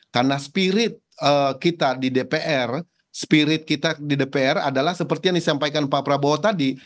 karena spirit kita di dpr adalah seperti yang disampaikan pak prabowo tadi